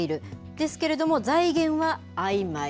ですけども、財源はあいまい。